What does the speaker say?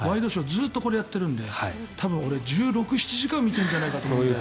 ずっとこれをやっているので多分俺、１６１７時間見ているんじゃないかな